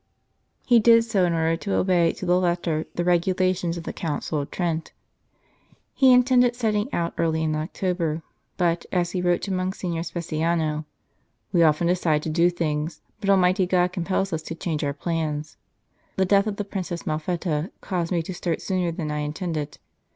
He did so in order to obey to the letter the regulations of the Council of Trent. He intended setting out early in October, but, as he wrote to Monsignor Speciano, " We often decide to do things, but Almighty God compels us to change our plans. The death of the Princess Malfetta caused me to start sooner than I intended.